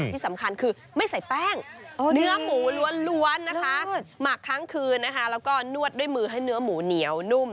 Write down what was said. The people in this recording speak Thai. ที่สำคัญคือไม่ใส่แป้งเนื้อหมูล้วนนะคะหมักครั้งคืนนะคะแล้วก็นวดด้วยมือให้เนื้อหมูเหนียวนุ่ม